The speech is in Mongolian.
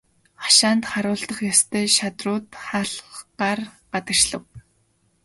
Хашаанд харуулдах ёстой шадрууд хаалгаар гадагшлав.